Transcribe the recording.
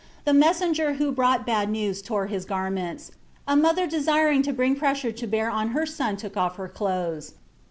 The messenger who brought bad news tore his garments. A mother desiring to bring pressure to bear on her son took off her clothes.